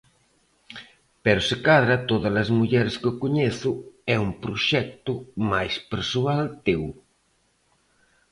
Pero se cadra Tódalas mulleres que coñezo é un proxecto máis persoal teu.